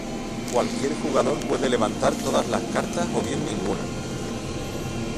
Cualquier jugador puede levantar todas las cartas o bien ninguna.